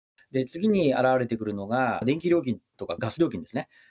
次に表れてくるのが、電気料金とかガス料金ですね。